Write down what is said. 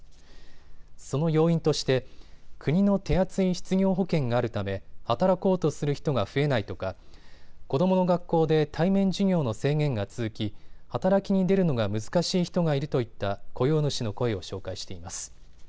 その要因として国の手厚い失業保険があるため働こうとする人が増えないとか子どもの学校で対面授業の制限が続き、働きに出るのが難しい人がいるといった雇用主の声を紹介しています。